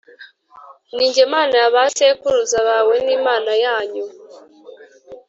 Ni jye Mana ya ba sekuruza bawe n Imana yanyu